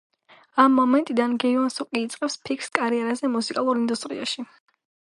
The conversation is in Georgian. ამ მომენტიდან გეუნ სუკი იწყებს ფიქრს კარიერაზე მუსიკალურ ინდუსტრიაში.